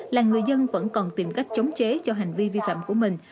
là người dân vẫn còn tìm cách chống chế cho hành vi vi phạm của mình